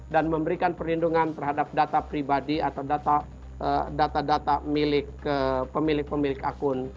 dan memberikan perlindungan terhadap data pribadi atau data data milik pemilik pemilik akun di dalam e commerce kita